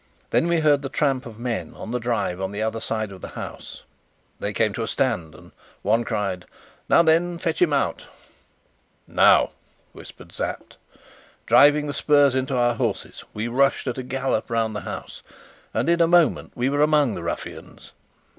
Then we heard the tramp of men on the drive the other side of the house. They came to a stand, and one cried: "Now then, fetch him out!" "Now!" whispered Sapt. Driving the spurs into our horses, we rushed at a gallop round the house, and in a moment we were among the ruffians.